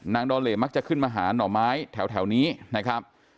ดอเลมักจะขึ้นมาหาหน่อไม้แถวนี้นะครับ